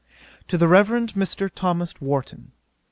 'To THE REVEREND MR. THOMAS WARTON.